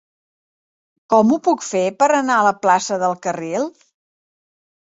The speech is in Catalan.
Com ho puc fer per anar a la plaça del Carril?